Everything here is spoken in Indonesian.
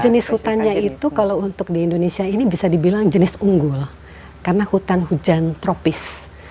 jenis hutannya itu kalau untuk di indonesia ini bisa dibilang jenis unggul karena hutan hujan tropis